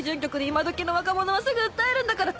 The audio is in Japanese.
今どきの若者はすぐ訴えるんだから。